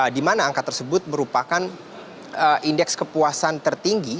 di mana angka tersebut merupakan indeks kepuasan tertinggi